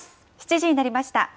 ７時になりました。